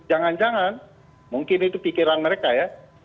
jangan jangan mungkin itu pikiran mereka ya